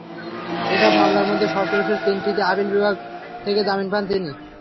এসব মামলার মধ্যে সর্বশেষ তিনটিতে আপিল বিভাগ থেকে জামিন পান তিনি।